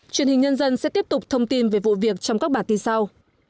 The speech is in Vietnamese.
truyền hình nhân dân sẽ tiếp tục thông tin về vụ việc trong các bản tin sau